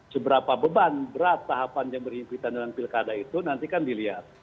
seberapa beban berat tahapan yang berhimpitan dengan pilkada itu nanti kan dilihat